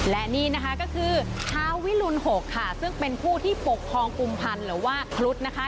และนี่นะคะก็คือชาววิรุณ๖ค่ะซึ่งเป็นผู้ที่ปกครองกลุ่มพันธ์หรือว่าครุฑนะคะ